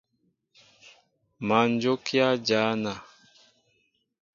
Má jókíá jăna.